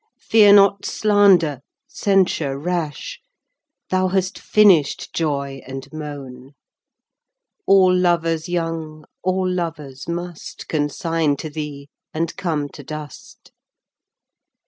Feare not Slander, Censure rash Arui. Thou hast finish'd Ioy and mone Both. All Louers young, all Louers must, Consigne to thee and come to dust Guid.